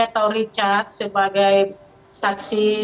atau richard sebagai saksi